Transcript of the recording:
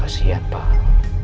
pasti banyak sesuatu yang